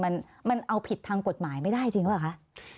มันเอาผิดทางกฎหมายไม่ได้จริงหรือเปล่าคะ